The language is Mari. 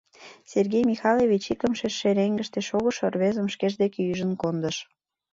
— Сергей Михайлович икымше шеренгыште шогышо рвезым шкеж дек ӱжын кондыш.